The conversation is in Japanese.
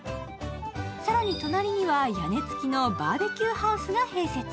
更に隣には、屋根付きのバーベキューハウスが併設。